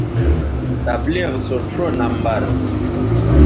تبلیغ سو ݜو نمبر